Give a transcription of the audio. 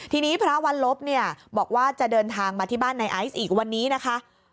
ทีนี้พระวันลบเนี่ยบอกว่าจะเดินทางมาที่บ้านในไอซ์อีกวันนี้นะคะ